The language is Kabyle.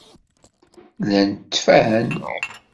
Llan ttfan.